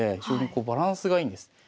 非常にこうバランスがいいんです。